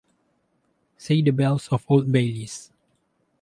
Say the bells of Old Bailey.